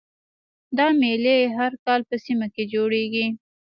دا میلې هر کال په سیمه کې جوړیږي